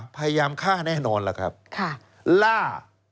พยายามฆ่าแน่นอนล่ะครับล่า